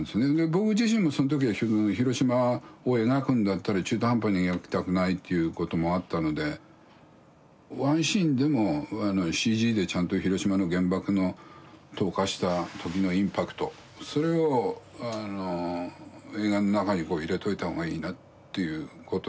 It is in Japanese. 僕自身もその時は広島を描くんだったら中途半端に描きたくないということもあったのでワンシーンでもＣＧでちゃんと広島の原爆の投下した時のインパクトそれを映画の中に入れといた方がいいなということになって。